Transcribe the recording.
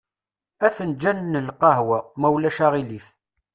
Afenǧal n lqehwa, ma ulac aɣilif.